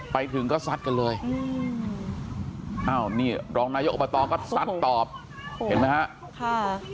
ไปถึงก็ซัดกันเลยอ้าวนี่รองนายกอบตก็ซัดตอบเห็นไหมฮะค่ะ